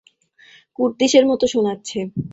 কুর্দিশের মত শোনাচ্ছে।